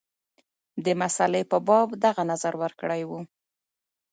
د مسلې په باب دغه نظر ورکړی وو.